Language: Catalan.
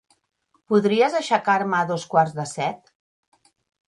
Podries aixecar-me a dos quarts de set?